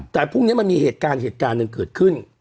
แต่พรุ่งนี้มันมีเหตุการณ์เหตุการณ์หนึ่งเกิดขึ้น